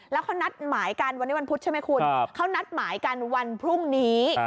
แล้วเขานัดหมายกันวันนี้วันพุธใช่ไหมคุณเขานัดหมายกันวันพรุ่งนี้